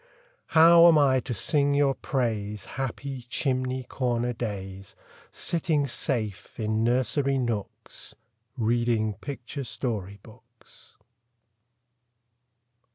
How am I to sing your praise, Happy chimney corner days, Sitting safe in nursery nooks, Reading picture story books?